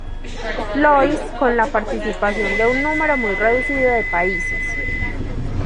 Louis con la participación de un número muy reducido de países.